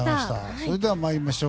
それでは、参りましょう。